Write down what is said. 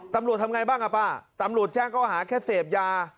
ตำรวจทำไงบ้างอ่ะป้าตำรวจแจ้งเขาหาแค่เสพยา